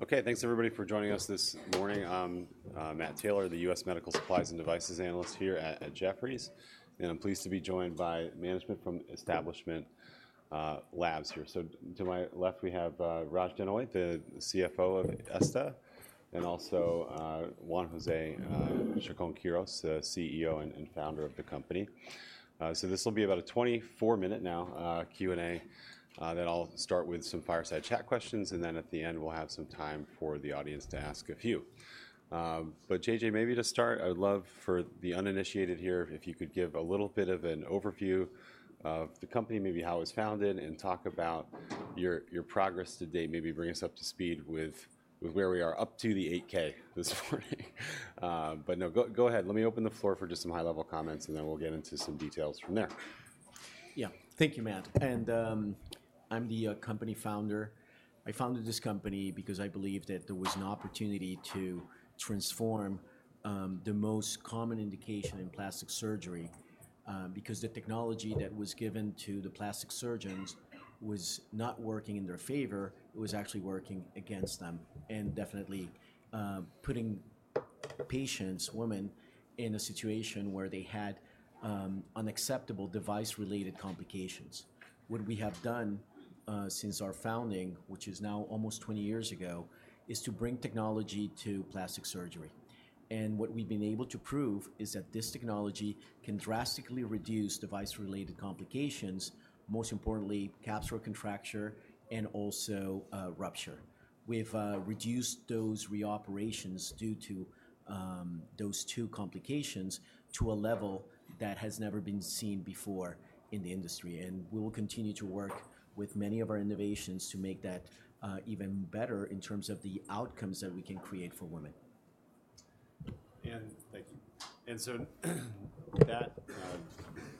Okay, thanks everybody for joining us this morning. Matt Taylor, the U.S. Medical Supplies and Devices analyst here at Jefferies, and I'm pleased to be joined by management from Establishment Labs here. So to my left, we have Raj Denhoy, the CFO of Esta, and also Juan José Chacón-Quirós, the CEO and founder of the company. So this will be about a 24-minute now Q&A. Then I'll start with some fireside chat questions, and then at the end, we'll have some time for the audience to ask a few. But JJ, maybe to start, I would love for the uninitiated here, if you could give a little bit of an overview of the company, maybe how it was founded, and talk about your progress to date. Maybe bring us up to speed with where we are, up to the 8-K this morning. But no, go ahead. Let me open the floor for just some high-level comments, and then we'll get into some details from there. Yeah. Thank you, Matt, and, I'm the company founder. I founded this company because I believed that there was an opportunity to transform the most common indication in plastic surgery because the technology that was given to the plastic surgeons was not working in their favor, it was actually working against them, and definitely putting patients, women, in a situation where they had unacceptable device-related complications. What we have done since our founding, which is now almost 20 years ago, is to bring technology to plastic surgery, and what we've been able to prove is that this technology can drastically reduce device-related complications, most importantly, capsular contracture and also rupture. We've reduced those reoperations due to those two complications to a level that has never been seen before in the industry, and we will continue to work with many of our innovations to make that even better in terms of the outcomes that we can create for women. Thank you. And so, that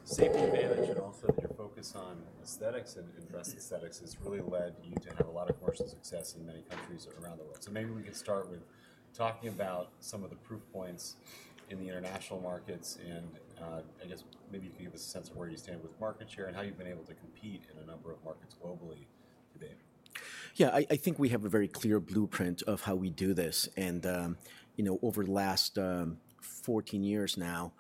safety advantage and also your focus on aesthetics and breast aesthetics has really led you to have a lot of commercial success in many countries around the world. So maybe we could start with talking about some of the proof points in the international markets, and I guess maybe you can give us a sense of where you stand with market share and how you've been able to compete in a number of markets globally today. Yeah, I think we have a very clear blueprint of how we do this, and, you know, over the last 14 years now,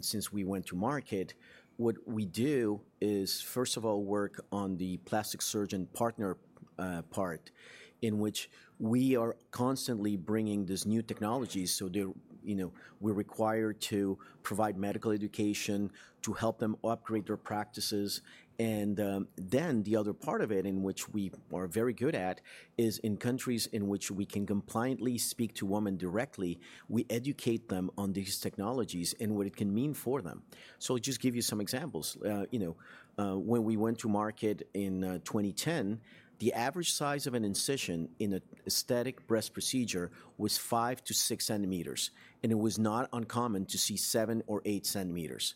since we went to market, what we do is, first of all, work on the plastic surgeon partner part, in which we are constantly bringing these new technologies. So they're, you know, we're required to provide medical education to help them upgrade their practices. And, then the other part of it, in which we are very good at, is in countries in which we can compliantly speak to women directly, we educate them on these technologies and what it can mean for them. So I'll just give you some examples. You know, when we went to market in 2010, the average size of an incision in an aesthetic breast procedure was 5-6 centimeters, and it was not uncommon to see 7 or 8 centimeters.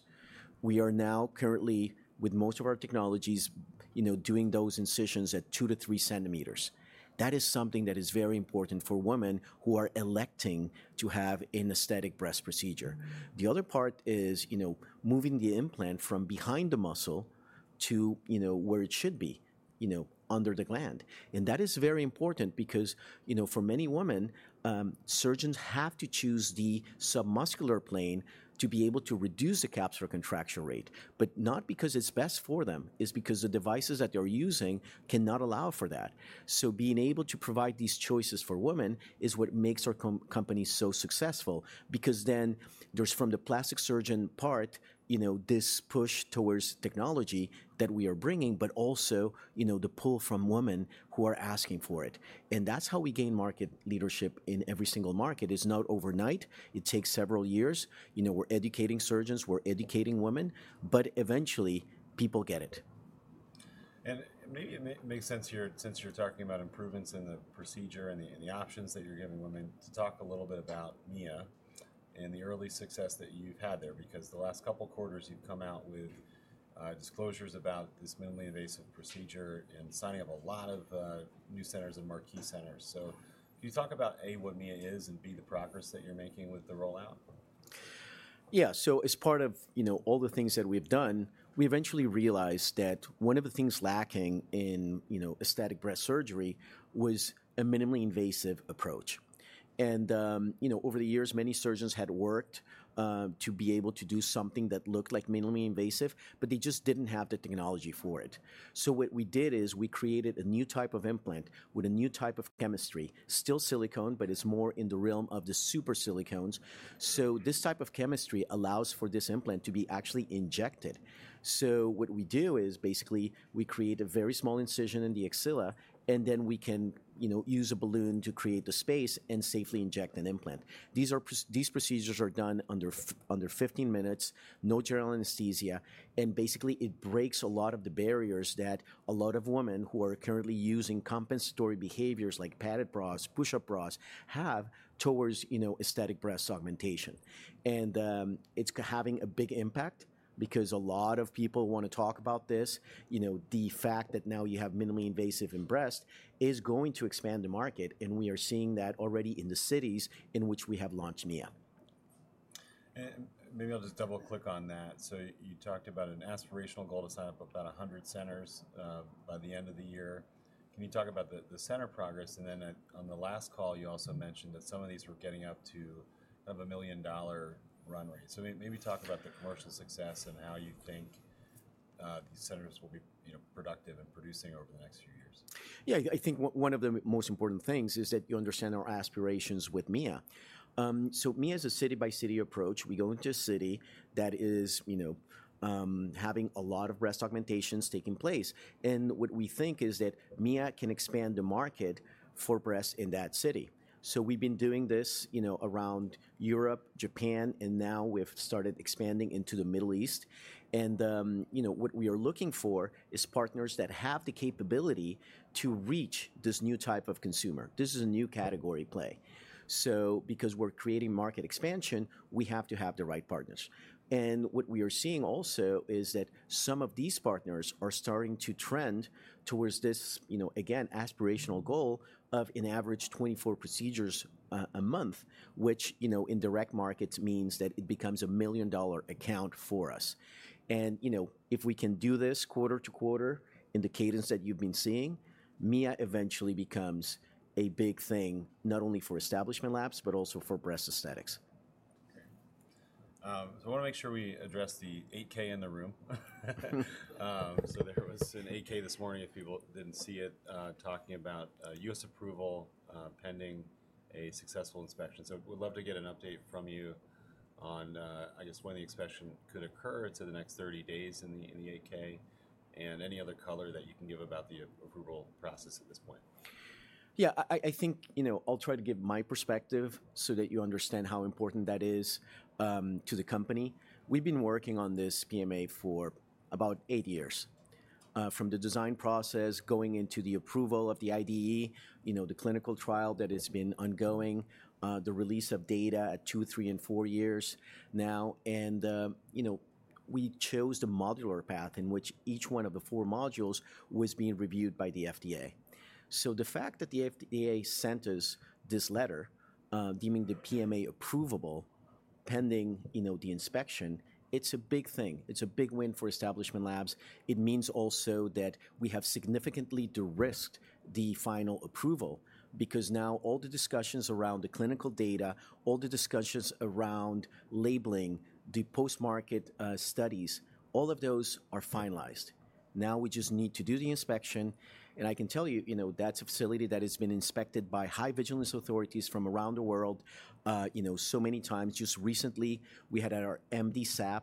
We are now currently, with most of our technologies, you know, doing those incisions at 2-3 centimeters. That is something that is very important for women who are electing to have an aesthetic breast procedure. The other part is, you know, moving the implant from behind the muscle to, you know, where it should be, you know, under the gland. And that is very important because, you know, for many women, surgeons have to choose the submuscular plane to be able to reduce the capsular contracture rate, but not because it's best for them, it's because the devices that they're using cannot allow for that. So being able to provide these choices for women is what makes our company so successful, because then there's, from the plastic surgeon part, you know, this push towards technology that we are bringing, but also, you know, the pull from women who are asking for it. And that's how we gain market leadership in every single market. It's not overnight. It takes several years. You know, we're educating surgeons, we're educating women, but eventually, people get it. Maybe it makes sense here, since you're talking about improvements in the procedure and the options that you're giving women, to talk a little bit about Mia and the early success that you've had there, because the last couple quarters you've come out with disclosures about this minimally invasive procedure and signing up a lot of new centers and marquee centers. So can you talk about, A, what Mia is, and B, the progress that you're making with the rollout? Yeah. So as part of, you know, all the things that we've done, we eventually realized that one of the things lacking in, you know, aesthetic breast surgery was a minimally invasive approach. You know, over the years, many surgeons had worked to be able to do something that looked like minimally invasive, but they just didn't have the technology for it. So what we did is we created a new type of implant with a new type of chemistry, still silicone, but it's more in the realm of the super silicones. So this type of chemistry allows for this implant to be actually injected. So what we do is, basically, we create a very small incision in the axilla, and then we can, you know, use a balloon to create the space and safely inject an implant. These procedures are done under 15 minutes, no general anesthesia, and basically, it breaks a lot of the barriers that a lot of women who are currently using compensatory behaviors, like padded bras, push-up bras, have towards, you know, aesthetic breast augmentation. And it's having a big impact because a lot of people wanna talk about this. You know, the fact that now you have minimally invasive in breast is going to expand the market, and we are seeing that already in the cities in which we have launched Mia.... And maybe I'll just double-click on that. So you talked about an aspirational goal to sign up about 100 centers by the end of the year. Can you talk about the center progress? And then, on the last call, you also mentioned that some of these were getting up to a million-dollar runway. So maybe talk about the commercial success and how you think these centers will be, you know, productive and producing over the next few years. Yeah, I think one of the most important things is that you understand our aspirations with Mia. So Mia is a city-by-city approach. We go into a city that is, you know, having a lot of breast augmentations taking place, and what we think is that Mia can expand the market for breast in that city. So we've been doing this, you know, around Europe, Japan, and now we've started expanding into the Middle East. And, you know, what we are looking for is partners that have the capability to reach this new type of consumer. This is a new category play, so because we're creating market expansion, we have to have the right partners. And what we are seeing also is that some of these partners are starting to trend towards this, you know, again, aspirational goal of an average 24 procedures a month, which, you know, in direct markets means that it becomes a $1 million account for us. And, you know, if we can do this quarter to quarter in the cadence that you've been seeing, Mia eventually becomes a big thing, not only for Establishment Labs, but also for breast aesthetics. Okay. So I wanna make sure we address the 8-K in the room. So there was an 8-K this morning, if people didn't see it, talking about U.S. approval pending a successful inspection. So we'd love to get an update from you on, I guess, when the inspection could occur. It's in the next 30 days in the 8-K, and any other color that you can give about the approval process at this point. Yeah, I think, you know, I'll try to give my perspective so that you understand how important that is to the company. We've been working on this PMA for about 8 years, from the design process going into the approval of the IDE, you know, the clinical trial that has been ongoing, the release of data at 2, 3, and 4 years now. You know, we chose the modular path in which each one of the 4 modules was being reviewed by the FDA. So the fact that the FDA sent us this letter, deeming the PMA approvable, pending, you know, the inspection, it's a big thing. It's a big win for Establishment Labs. It means also that we have significantly de-risked the final approval because now all the discussions around the clinical data, all the discussions around labeling, the post-market studies, all of those are finalized. Now we just need to do the inspection, and I can tell you, you know, that's a facility that has been inspected by high vigilance authorities from around the world, you know, so many times. Just recently, we had our MDSAP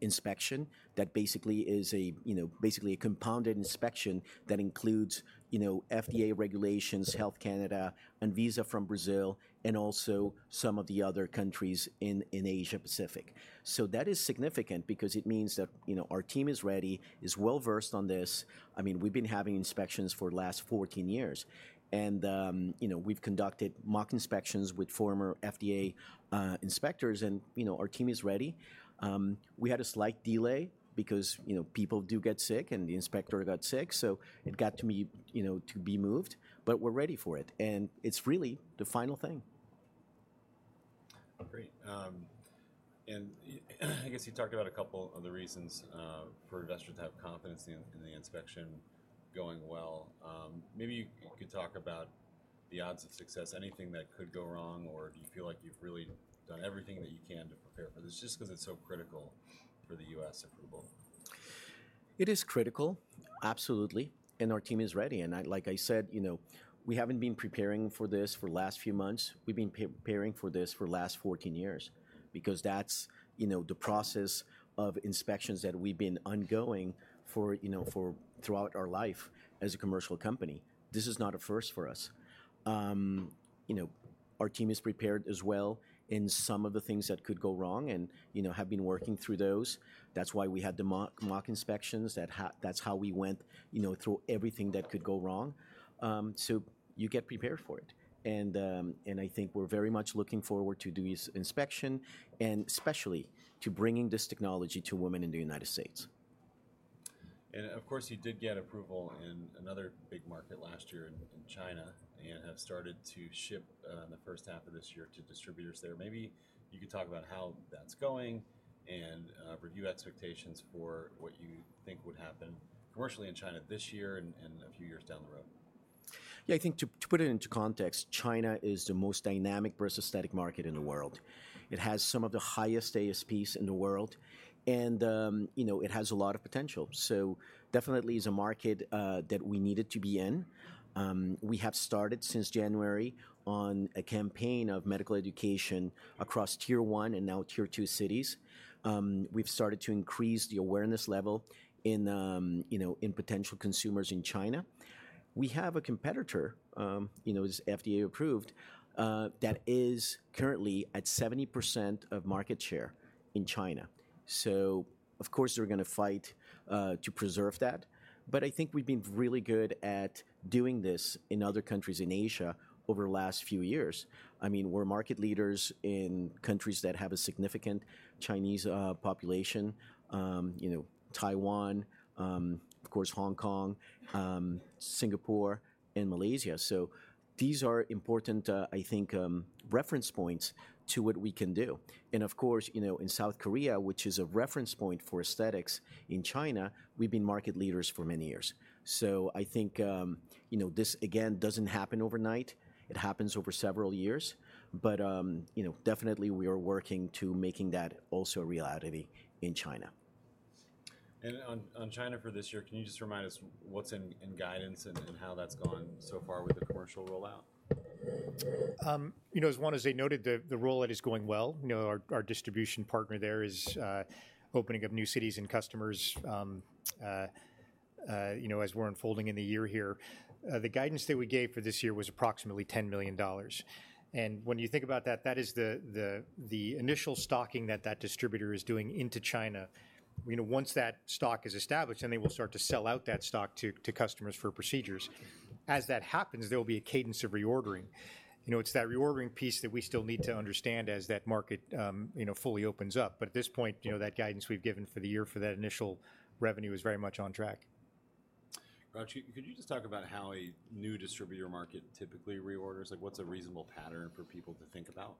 inspection. That basically is, you know, basically a compounded inspection that includes, you know, FDA regulations, Health Canada, ANVISA from Brazil, and also some of the other countries in Asia-Pacific. So that is significant because it means that, you know, our team is ready, is well-versed on this. I mean, we've been having inspections for the last 14 years, and, you know, we've conducted mock inspections with former FDA inspectors, and, you know, our team is ready. We had a slight delay because, you know, people do get sick, and the inspector got sick, so it got to be, you know, to be moved, but we're ready for it, and it's really the final thing. Great. I guess you talked about a couple of the reasons for investors to have confidence in the inspection going well. Maybe you could talk about the odds of success, anything that could go wrong, or do you feel like you've really done everything that you can to prepare for this? Just 'cause it's so critical for the U.S. approval. It is critical, absolutely, and our team is ready. And I—like I said, you know, we haven't been preparing for this for the last few months. We've been preparing for this for the last 14 years because that's, you know, the process of inspections that we've been ongoing for, you know, for throughout our life as a commercial company. This is not a first for us. You know, our team is prepared as well in some of the things that could go wrong and, you know, have been working through those. That's why we had the mock inspections, that's how we went, you know, through everything that could go wrong. So you get prepared for it, and I think we're very much looking forward to the inspection and especially to bringing this technology to women in the United States. Of course, you did get approval in another big market last year in China and have started to ship in the first half of this year to distributors there. Maybe you could talk about how that's going and review expectations for what you think would happen commercially in China this year and a few years down the road. Yeah, I think to put it into context, China is the most dynamic breast aesthetic market in the world. It has some of the highest ASPs in the world, and, you know, it has a lot of potential, so definitely is a market that we needed to be in. We have started since January on a campaign of medical education across Tier 1 and now Tier 2 cities. We've started to increase the awareness level in, you know, in potential consumers in China. We have a competitor, you know, who's FDA approved, that is currently at 70% of market share in China. So of course, we're gonna fight to preserve that, but I think we've been really good at doing this in other countries in Asia over the last few years. I mean, we're market leaders in countries that have a significant Chinese population. You know, Taiwan, of course, Hong Kong, Singapore, and Malaysia. So these are important, I think, reference points to what we can do. And of course, you know, in South Korea, which is a reference point for aesthetics in China, we've been market leaders for many years. So I think, you know, this again, doesn't happen overnight. It happens over several years, but, you know, definitely we are working to making that also a reality in China.... And on China for this year, can you just remind us what's in guidance and how that's gone so far with the commercial rollout? You know, as Juan has noted, the rollout is going well. You know, our distribution partner there is opening up new cities and customers, you know, as we're unfolding in the year here. The guidance that we gave for this year was approximately $10 million. And when you think about that, that is the initial stocking that distributor is doing into China. You know, once that stock is established, then they will start to sell out that stock to customers for procedures. As that happens, there will be a cadence of reordering. You know, it's that reordering piece that we still need to understand as that market, you know, fully opens up. But at this point, you know, that guidance we've given for the year for that initial revenue is very much on track. Raj, could you just talk about how a new distributor market typically reorders? Like, what's a reasonable pattern for people to think about?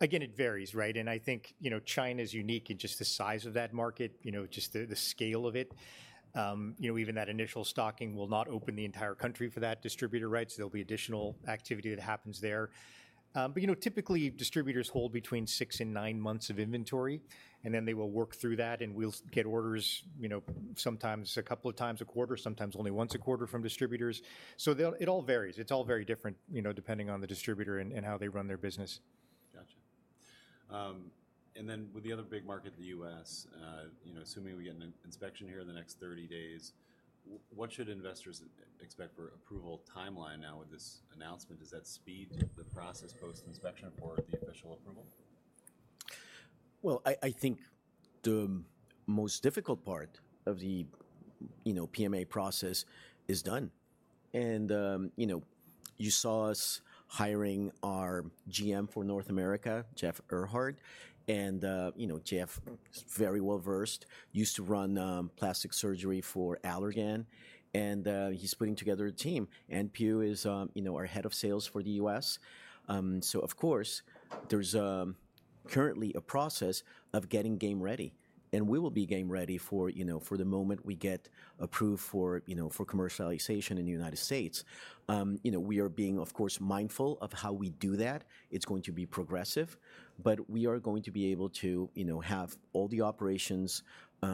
Again, it varies, right? And I think, you know, China's unique in just the size of that market, you know, just the scale of it. You know, even that initial stocking will not open the entire country for that distributor, right? So there'll be additional activity that happens there. But you know, typically, distributors hold between six and nine months of inventory, and then they will work through that, and we'll get orders, you know, sometimes a couple of times a quarter, sometimes only once a quarter from distributors. So they'll. It all varies. It's all very different, you know, depending on the distributor and how they run their business. Gotcha. And then with the other big market, the U.S., you know, assuming we get an inspection here in the next 30 days, what should investors expect for approval timeline now with this announcement? Does that speed the process post-inspection or the official approval? Well, I think the most difficult part of the, you know, PMA process is done. And, you know, you saw us hiring our GM for North America, Jeff Ehrhardt, and, you know, Jeff is very well-versed, used to run, plastic surgery for Allergan, and, he's putting together a team. And Pugh is, you know, our head of sales for the U.S. So of course, there's currently a process of getting game ready, and we will be game ready for, you know, for the moment we get approved for, you know, for commercialization in the United States. You know, we are being, of course, mindful of how we do that. It's going to be progressive, but we are going to be able to, you know, have all the operations,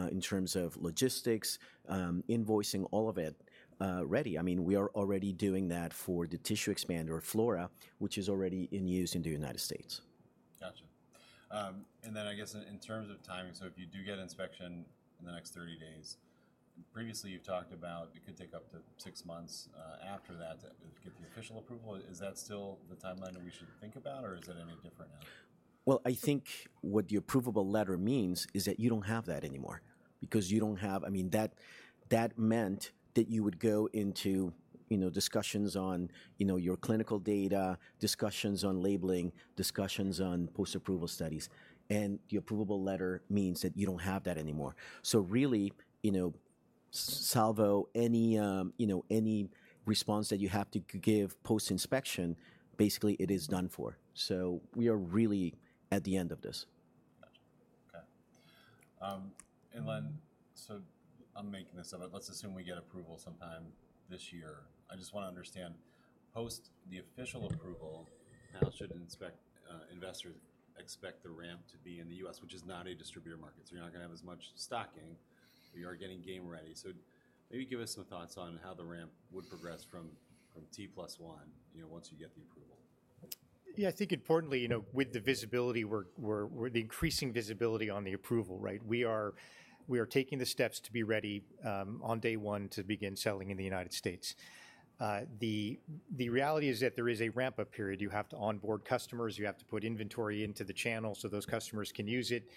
in terms of logistics, invoicing, all of it, ready. I mean, we are already doing that for the tissue expander, Flora, which is already in use in the United States. Gotcha. And then I guess in terms of timing, so if you do get inspection in the next 30 days, previously you've talked about it could take up to 6 months after that to get the official approval. Is that still the timeline that we should think about, or is it any different now? Well, I think what the approvable letter means is that you don't have that anymore because you don't have... I mean, that, that meant that you would go into, you know, discussions on, you know, your clinical data, discussions on labeling, discussions on post-approval studies, and the approvable letter means that you don't have that anymore. So really, you know, save any, you know, any response that you have to give post-inspection, basically, it is done for. So we are really at the end of this. Gotcha. Okay. And then, so I'm making this up. Let's assume we get approval sometime this year. I just wanna understand, post the official approval, how should investors expect the ramp to be in the U.S., which is not a distributor market, so you're not gonna have as much stocking. We are getting game ready. So maybe give us some thoughts on how the ramp would progress from T plus one, you know, once you get the approval. Yeah, I think importantly, you know, with the increasing visibility on the approval, right? We are taking the steps to be ready on day one to begin selling in the United States. The reality is that there is a ramp-up period. You have to onboard customers, you have to put inventory into the channel so those customers can use it.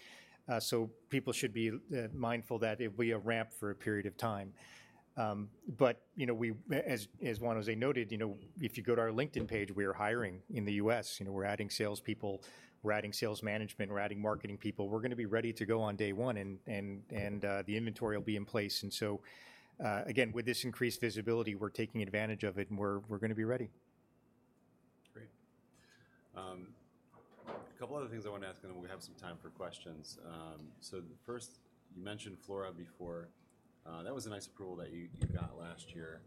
So people should be mindful that it'll be a ramp for a period of time. But, you know, as Juan José noted, you know, if you go to our LinkedIn page, we are hiring in the U.S. You know, we're adding salespeople, we're adding sales management, we're adding marketing people. We're gonna be ready to go on day one, and the inventory will be in place. with this increased visibility, we're taking advantage of it, and we're gonna be ready. Great. A couple other things I want to ask, and then we have some time for questions. So first, you mentioned Flora before. That was a nice approval that you got last year.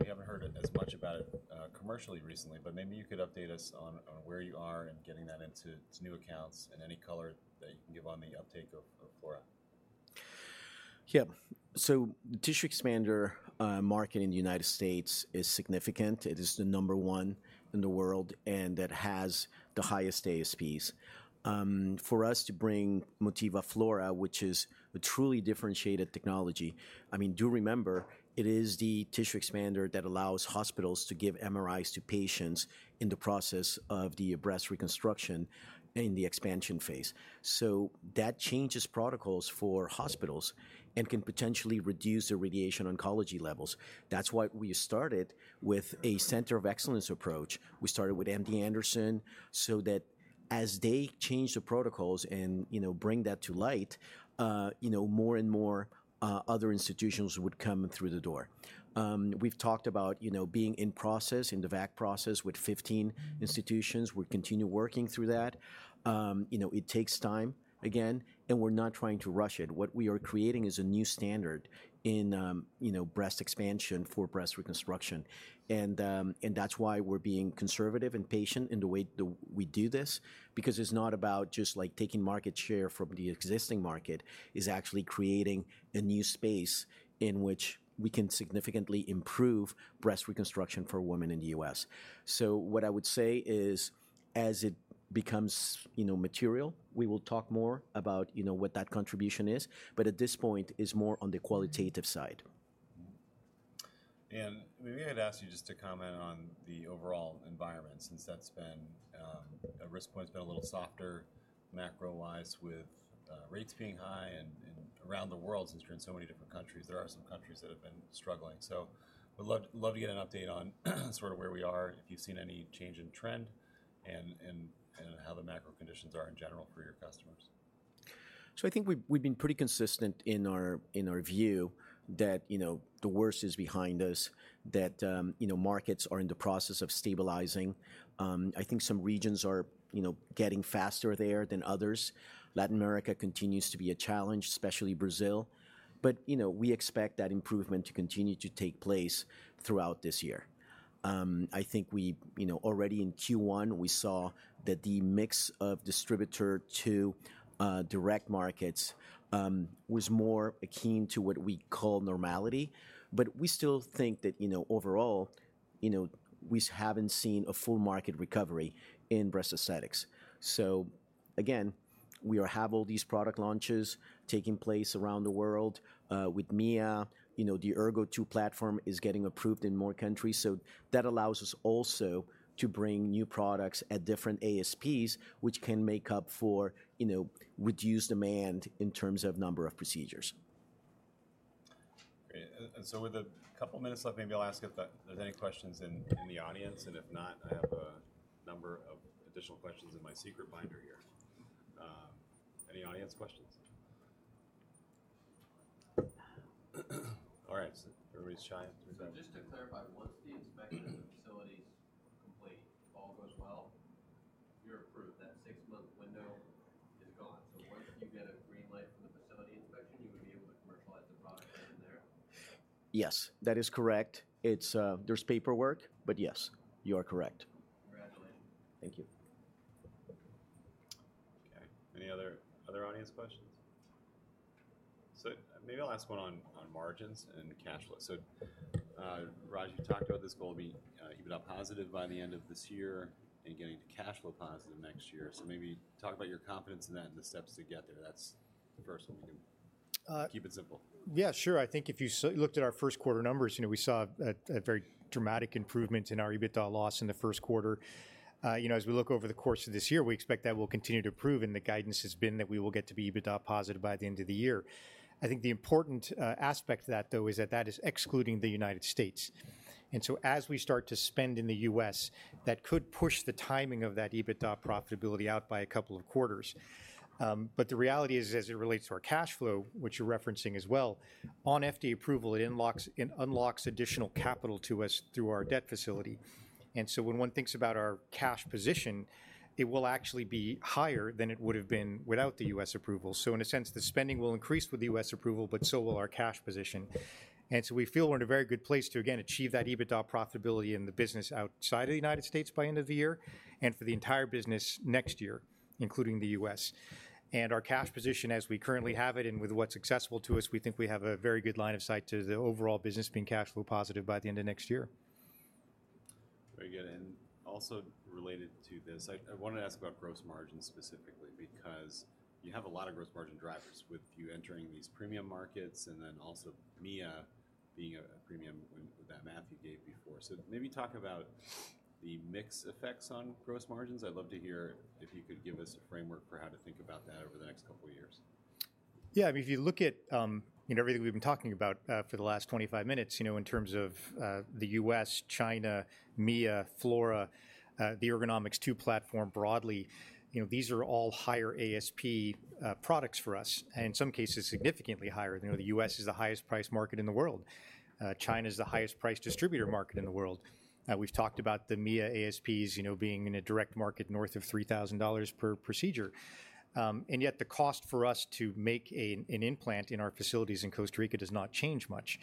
We haven't heard as much about it commercially recently, but maybe you could update us on where you are in getting that into new accounts and any color that you can give on the uptake of Flora. Yeah. So the tissue expander market in the United States is significant. It is the number one in the world, and it has the highest ASPs. For us to bring Motiva Flora, which is a truly differentiated technology, I mean, do remember, it is the tissue expander that allows hospitals to give MRIs to patients in the process of the breast reconstruction in the expansion phase. So that changes protocols for hospitals and can potentially reduce the radiation oncology levels. That's why we started with a center of excellence approach. We started with MD Anderson, so that as they change the protocols and, you know, bring that to light, you know, more and more other institutions would come through the door. We've talked about, you know, being in process, in the VAC process, with 15 institutions. We continue working through that. You know, it takes time, again, and we're not trying to rush it. What we are creating is a new standard in, you know, breast expansion for breast reconstruction. And, and that's why we're being conservative and patient in the way we do this, because it's not about just, like, taking market share from the existing market, it's actually creating a new space in which we can significantly improve breast reconstruction for women in the U.S. So what I would say is, as it becomes, you know, material, we will talk more about, you know, what that contribution is, but at this point, it's more on the qualitative side. Maybe I'd ask you just to comment on the overall environment, since that's been risk point's been a little softer macro-wise with rates being high and around the world, since you're in so many different countries, there are some countries that have been struggling. So would love to get an update on sort of where we are, if you've seen any change in trend, and how the macro conditions are in general for your customers. So I think we've been pretty consistent in our view that, you know, the worst is behind us. That, you know, markets are in the process of stabilizing. I think some regions are, you know, getting faster there than others. Latin America continues to be a challenge, especially Brazil, but, you know, we expect that improvement to continue to take place throughout this year. I think we, you know, already in Q1, we saw that the mix of distributor to, direct markets, was more akin to what we call normality. But we still think that, you know, overall, you know, we haven't seen a full market recovery in breast aesthetics. So again, we have all these product launches taking place around the world, with Mia, you know, the Ergo 2 platform is getting approved in more countries. So that allows us also to bring new products at different ASPs, which can make up for, you know, reduced demand in terms of number of procedures. Great. And so with a couple of minutes left, maybe I'll ask if there's any questions in the audience, and if not, I have a number of additional questions in my secret binder here. Any audience questions? All right, so everybody's shy. So just to clarify, once the inspection of the facility's complete, if all goes well, you're approved, that six-month window is gone? So once you get a green light from the facility inspection, you would be able to commercialize the product in there? Yes, that is correct. It's, there's paperwork, but yes, you are correct. Congratulations. Thank you. Okay. Any other audience questions? So maybe I'll ask one on margins and the cash flow. So, Raj, you talked about this goal of being EBITDA positive by the end of this year and getting to cash flow positive next year. So maybe talk about your confidence in that and the steps to get there. That's the first one. We can- Uh- Keep it simple. Yeah, sure. I think if you looked at our first quarter numbers, you know, we saw a very dramatic improvement in our EBITDA loss in the first quarter. You know, as we look over the course of this year, we expect that will continue to improve, and the guidance has been that we will get to be EBITDA positive by the end of the year. I think the important aspect to that, though, is that that is excluding the United States. So as we start to spend in the U.S., that could push the timing of that EBITDA profitability out by a couple of quarters. But the reality is, as it relates to our cash flow, which you're referencing as well, on FDA approval, it unlocks additional capital to us through our debt facility. When one thinks about our cash position, it will actually be higher than it would've been without the U.S. approval. In a sense, the spending will increase with the U.S. approval, but so will our cash position. We feel we're in a very good place to again achieve that EBITDA profitability in the business outside of the United States by end of the year, and for the entire business next year, including the U.S. Our cash position as we currently have it and with what's accessible to us, we think we have a very good line of sight to the overall business being cash flow positive by the end of next year. Very good. And also related to this, I wanna ask about gross margin specifically, because you have a lot of gross margin drivers with you entering these premium markets, and then also Mia being a premium when with that math you gave before. So maybe talk about the mix effects on gross margins. I'd love to hear if you could give us a framework for how to think about that over the next couple of years. Yeah, I mean, if you look at, you know, everything we've been talking about, for the last 25 minutes, you know, in terms of, the U.S., China, Mia, Flora, the Ergonomix2 platform broadly, you know, these are all higher ASP, products for us, and in some cases, significantly higher. You know, the U.S. is the highest priced market in the world. China's the highest priced distributor market in the world. We've talked about the Mia ASPs, you know, being in a direct market north of $3,000 per procedure. And yet the cost for us to make a, an implant in our facilities in Costa Rica does not change much.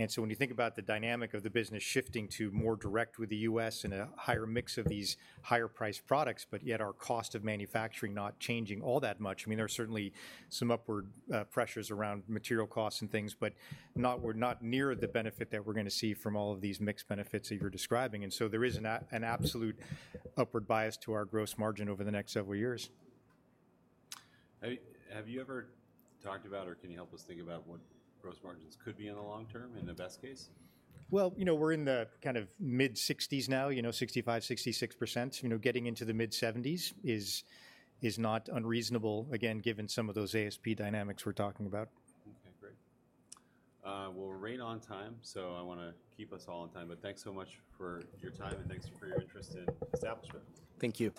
And so when you think about the dynamic of the business shifting to more direct with the U.S. and a higher mix of these higher priced products, but yet our cost of manufacturing not changing all that much, I mean, there are certainly some upward pressures around material costs and things, but we're not near the benefit that we're gonna see from all of these mixed benefits that you're describing. And so there is an absolute upward bias to our gross margin over the next several years. Have you ever talked about, or can you help us think about what gross margins could be in the long term, in the best case? Well, you know, we're in the kind of mid-60s now, you know, 65-66%. You know, getting into the mid-70s is not unreasonable, again, given some of those ASP dynamics we're talking about. Okay, great. Well, we're right on time, so I wanna keep us all on time. But thanks so much for your time, and thanks for your interest in Establishment. Thank you.